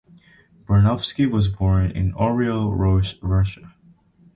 Granovsky was born in Oryol, Russia.